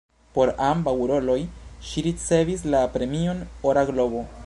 Por ambaŭ roloj ŝi ricevis la premion "Ora globo".